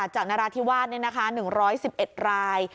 จากนราธิวาสนี่นะคะ๑๑๑ราย